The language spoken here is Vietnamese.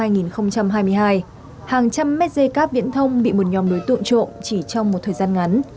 hàng trăm mét dây cắp viễn thông bị một nhóm đối tượng trộm chỉ trong một thời gian ngắn